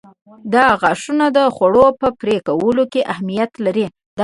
دا غاښه د خوړو په پرې کولو کې اهمیت لري.